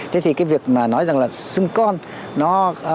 thế thì cái việc mà nói rằng là sinh con nó